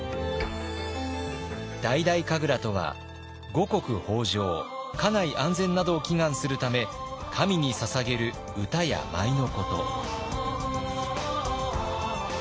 大々神楽とは五穀豊穣家内安全などを祈願するため神にささげる歌や舞のこと。